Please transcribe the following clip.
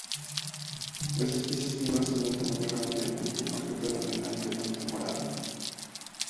Las especies vivas son de tamaño grande con el plumaje predominantemente morado.